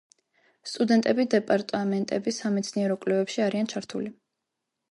სტუდენტები დეპარტამენტების სამეცნიერო კვლევებში არიან ჩართული.